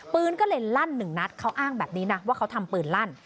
ปืนก็เลยลั่นหนึ่งนัดเขาอ้างแบบนี้นะว่าเขาทำปืนลั่น